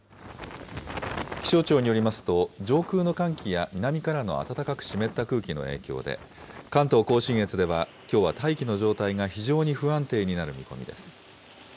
気象庁によりますと、上空の寒気や南からの暖かく湿った空気の影響で、関東甲信越では、きょうは大気の状態が非常に不安定になる見込みです。